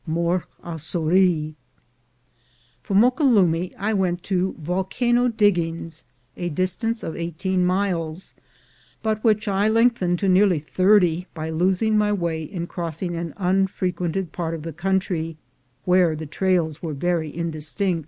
MORT AUX SoURIS." From Moquelumne I went to Volcano Diggings, a distance of eighteen miles, but which I lengthened to nearly thirty by losing my way in crossing an un frequented part of the country where the trails were very indistinct.